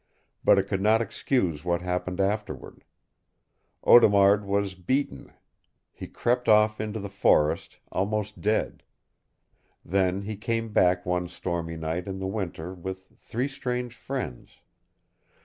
But it could not excuse what happened afterward. Audemard was beaten. He crept off into the forest, almost dead. Then he came back one stormy night in the winter with three strange friends.